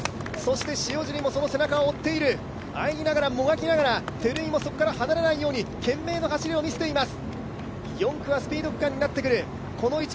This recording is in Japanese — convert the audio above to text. そして塩尻もその背中を追っているあえぎながらもがきながら照井もそこから離れないように懸命の走りを見せています。